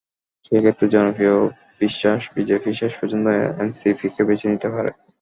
সেই ক্ষেত্রে জনপ্রিয় বিশ্বাস, বিজেপি শেষ পর্যন্ত এনসিপিকে বেছে নিতে পারে।